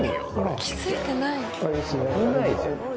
気づいてない？